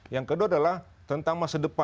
yang kedua adalah tentang masa depan